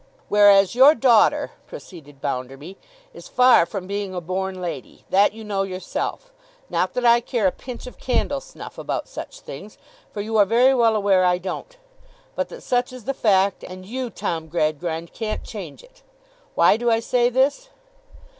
'Whereas your daughter,' proceeded Bounderby, 'is far from being a born lady. That you know, yourself. Not that I care a pinch of candle snuff about such things, for you are very well aware I don't; but that such is the fact, and you, Tom Gradgrind, can't change it. Why do I say this?